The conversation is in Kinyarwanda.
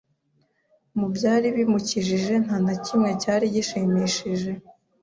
Mu byari bimukikije, nta na kimwe cyari gishimishije